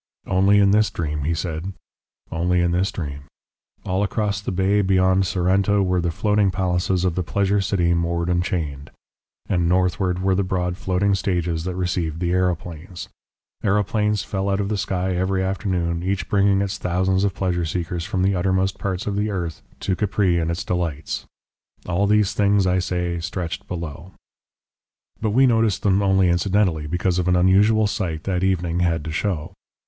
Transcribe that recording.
"Only in this dream," he said, "only in this dream. All across the bay beyond Sorrento were the floating palaces of the Pleasure City moored and chained. And northward were the broad floating stages that received the aeroplanes. Aeroplanes fell out of the sky every afternoon, each bringing its thousands of pleasure seekers from the uttermost parts of the earth to Capri and its delights. All these things, I say, stretched below. "But we noticed them only incidentally because of an unusual sight that evening had to show.